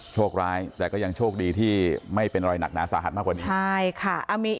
โชคร้ายแต่ก็ยังโชคดีที่ไม่เป็นอะไรหนักหนาสาหัสมากกว่านี้ใช่ค่ะ